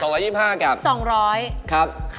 ๒๐๐บาทครับ